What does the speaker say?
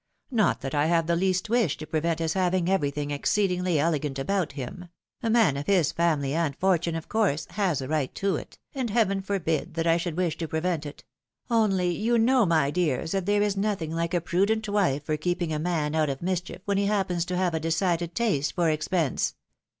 Not that I have the least wish to prevent his having everything ex ceedingly elegant about him ; a man of his family and fortune, of course, has a right to it, and Heaven forbid that I should wish to prevent it ; only, you know, my dears, that there is nothing hke a prudent wife for keeping a man out of mischief when he happens to have a decided taste for expense.